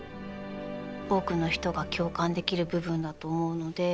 多くの人が共感できる部分だと思うので。